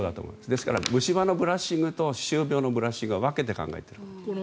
だから虫歯のブラッシングと歯周病のブラッシングは分けて考えている。